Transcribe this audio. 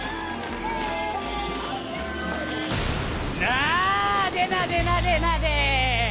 なでなでなでなで。